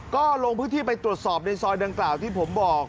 ก็ลงพื้นที่ไปตรวจสอบในซอยดังกล่าวที่ผมบอก